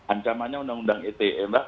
ancamannya undang undang ite mbak